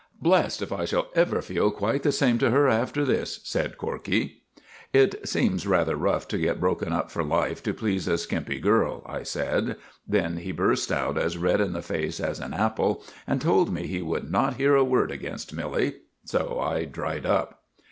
"Blessed if I shall ever feel quite the same to her after this," said Corkey. "It seems rather rough to get broken up for life to please a skimpy girl," I said. Then he burst out as red in the face as an apple, and told me he would not hear a word against Milly, so I dried up.